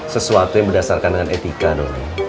sesuatu yang berdasarkan dengan etika dong